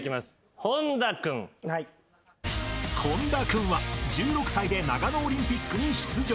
［本田君は１６歳で長野オリンピックに出場］